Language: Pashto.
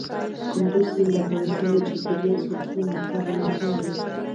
کندز سیند د افغانستان د چاپیریال ساتنې لپاره مهم دي.